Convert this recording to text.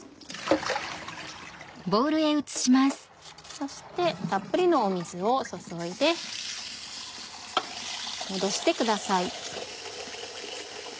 そしてたっぷりの水を注いでもどしてください。